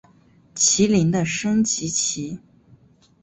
麒麟的升级棋。